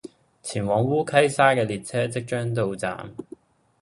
前往烏溪沙的列車即將到站